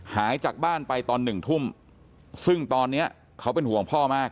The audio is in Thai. หายจากบ้านไปตอนหนึ่งทุ่มซึ่งตอนนี้เขาเป็นห่วงพ่อมาก